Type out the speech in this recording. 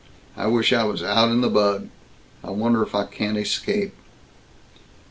I wish I was out in the bug. I wonder if I can't escape?"